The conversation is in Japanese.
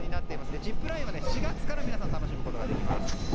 ジップラインは４月から皆さん楽しむことができます。